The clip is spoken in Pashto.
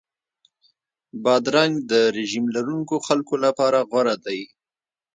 بادرنګ د رژیم لرونکو خلکو لپاره غوره دی.